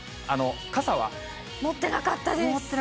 持ってなかったです。